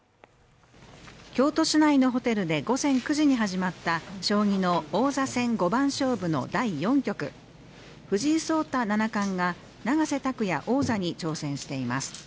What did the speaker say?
京都市内のホテルで午前９時に始まった将棋の王座戦五番勝負の第４局藤井聡太七冠が永瀬拓矢王座に挑戦しています